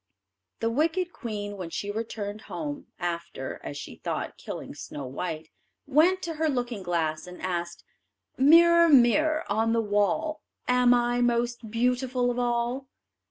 The wicked queen when she returned home, after, as she thought, killing Snow white, went to her looking glass and asked: "Mirror, mirror on the wall, Am I most beautiful of all?"